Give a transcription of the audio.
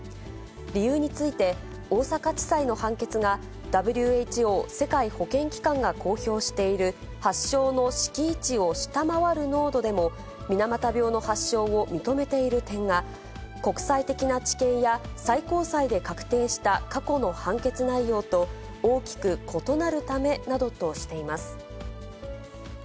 理由について大阪地裁の判決が、ＷＨＯ・世界保健機関が公表している発症の閾値を下回る濃度でも、水俣病の発症を認めている点が、国際的な知見や最高裁で確定した過去の判決内容と大きく異なるためなどとしています。